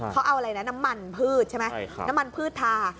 เขาเอาอะไรนะน้ำมันพืชใช่ไหมน้ำมันพืชทา